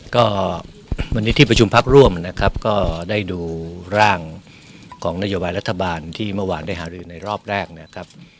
ก็วันนี้ที่ประชุมพักร่วมนะครับก็ได้ดูร่างของนโยบายรัฐบาลที่เมื่อวานได้หารือในรอบแรกนะครับ